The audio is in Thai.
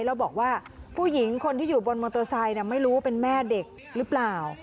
แล้วบอกว่าผู้หญิงคนที่อยู่บนมอเตอร์ไซค์ไม่รู้ว่าเป็นแม่เด็กหรือเปล่า